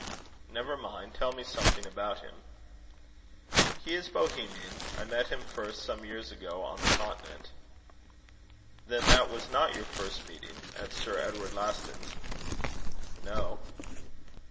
"Never mind. Tell me something about him." "He is a Bohemian. I met him first, some years ago, on the continent." "Then that was not your first meeting at Sir Edward Laston's?" "No."